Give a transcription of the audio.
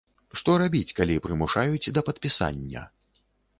Што рабіць, калі прымушаюць да падпісання?